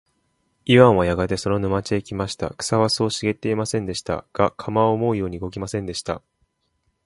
イワンはやがてその沼地へ来ました。草はそう茂ってはいませんでした。が、鎌は思うように動きませんでした。